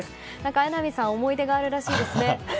榎並さんは思い出があるらしいですね。